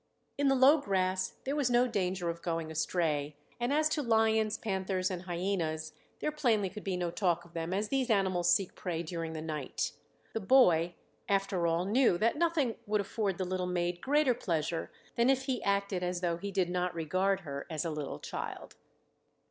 In the low grass there was no danger of going astray, and as to lions, panthers, and hyenas, there plainly could be no talk of them as these animals seek prey during the night. The boy after all knew that nothing would afford the little maid greater pleasure than if he acted as though he did not regard her as a little child.